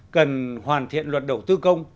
cần hoàn thiện luật đầu tư công